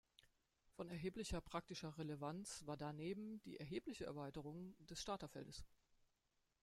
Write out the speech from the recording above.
Von erheblicher praktischer Relevanz war daneben die erhebliche Erweiterung des Starterfeldes.